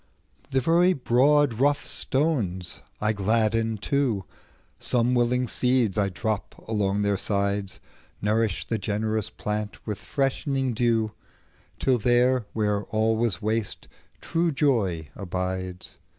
The very broad rough stones I gladden too; Some willing seeds I drop along their sides, Nourish the generous plant with freshening dew, Till there where all was waste, true joy abides.